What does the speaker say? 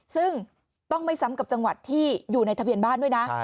ซึ่งต้องไม่ซ้ำกับจังหวัดที่อยู่ในทะเบียนบ้านด้วยนะ